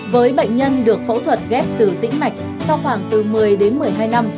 với bệnh nhân được phẫu thuật ghép từ tĩnh mạch sau khoảng từ một mươi đến một mươi hai năm